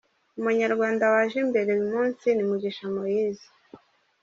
Umunyarwanda waje imbere uyu munsi ni Mugisha Moise.